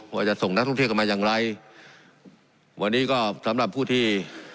ว่าจะส่งนักท่องเที่ยวกันมาอย่างไรวันนี้ก็สำหรับผู้ที่